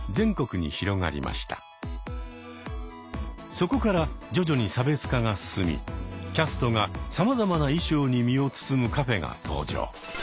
そこから徐々に差別化が進みキャストがさまざまな衣装に身を包むカフェが登場。